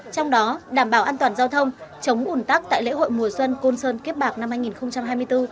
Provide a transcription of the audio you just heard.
trong đó đảm bảo an toàn giao thông chống ủn tắc tại lễ hội mùa xuân côn sơn kiếp bạc năm hai nghìn hai mươi bốn